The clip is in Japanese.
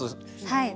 はい。